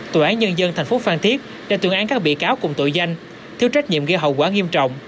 tội án nhân dân tp phan thiết đã tuyên án các bị cáo cùng tội danh thiếu trách nhiệm gây hậu quả nghiêm trọng